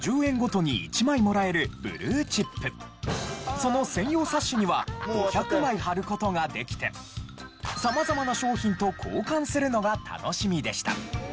その専用冊子には５００枚貼る事ができて様々な商品と交換するのが楽しみでした。